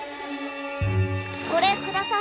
これください。